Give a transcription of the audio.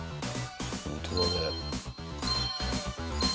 本当だね。